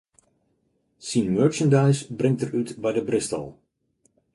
Syn merchandise bringt er út by de Bristol.